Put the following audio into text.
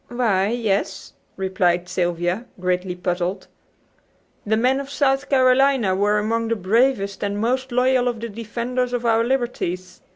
"Why, yes," replied Sylvia, greatly puzzled. "The men of South Carolina were among the bravest and most loyal of the defenders of our liberties.